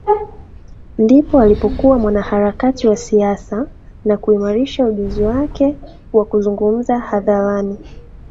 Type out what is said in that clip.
ndipo alipokuwa mwanaharakati wa siasa na kuimarisha ujuzi wake wa kuzungumza hadharani